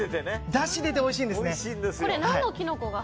だしが出ておいしいんです。